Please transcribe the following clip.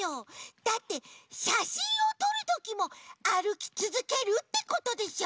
だってしゃしんをとるときもあるきつづけるってことでしょ？